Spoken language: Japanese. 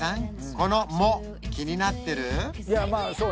この藻気になってる？